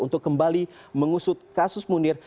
untuk kembali mengusut kasus munir